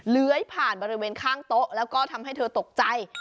เลื้อยผ่านบริเวณข้างโต๊ะแล้วก็ทำให้เธอตกใจ